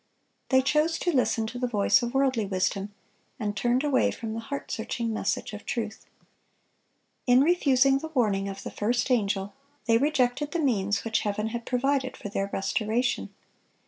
They chose to listen to the voice of worldly wisdom, and turned away from the heart searching message of truth. In refusing the warning of the first angel, they rejected the means which Heaven had provided for their restoration.